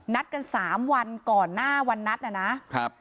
นัดกันสามวันก่อนหน้าวันนัดน่ะนะครับ